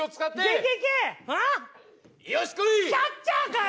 キャッチャーかい！